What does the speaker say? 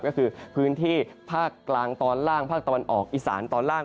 ก็คือพื้นที่ภาคกลางตอนล่างภาคตะวันออกอีสานตอนล่าง